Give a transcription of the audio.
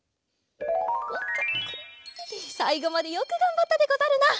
さいごまでよくがんばったでござるな。